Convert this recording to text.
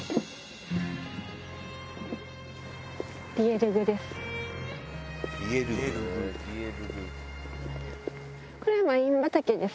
リエルグです。